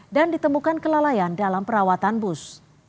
dan ditemukan kelalaian dalam perawatan bus